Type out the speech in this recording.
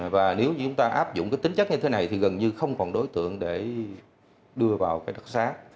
và nếu như chúng ta áp dụng cái tính chất như thế này thì gần như không còn đối tượng để đưa vào cái đặc xá